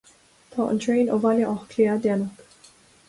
Tá an traein ó Bhaile Átha Cliath déanach.